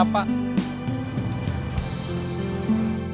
kamu lagi ngelamuinin siapa